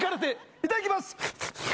いただきます。